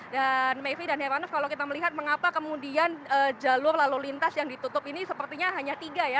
dan melfri dan heranus kalau kita melihat mengapa kemudian jalur lalu lintas yang ditutup ini sepertinya hanya tiga ya